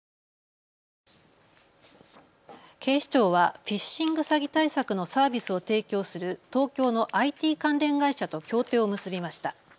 警視庁はフィッシング詐欺対策のサービスを提供する東京のＩＴ関連会社と協定を結びました。